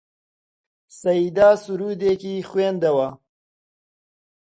سەیدا سروودێکی خوێندەوە: